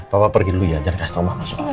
papa pergi dulu ya jangan kasih tau mama soalnya